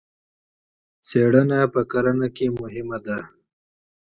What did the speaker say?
تحقیق په کرنه کې مهم دی.